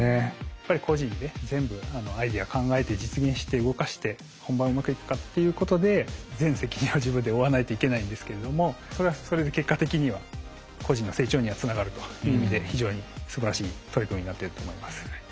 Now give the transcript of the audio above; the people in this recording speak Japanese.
やっぱり個人で全部アイデア考えて実現して動かして本番うまくいくかっていうことで全責任を自分で負わないといけないんですけれどもそれはそれで結果的には個人の成長にはつながるという意味で非常にすばらしい取り組みになっていると思います。